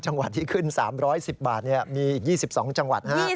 จังหวัดที่ขึ้น๓๑๐บาทมีอีก๒๒จังหวัด